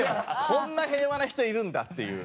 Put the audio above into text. こんな平和な人いるんだっていう。